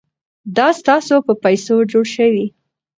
دا ستاسو په پیسو جوړ شوي.